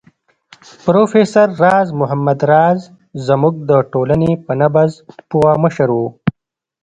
پروفېسر راز محمد راز زموږ د ټولنې په نبض پوه مشر و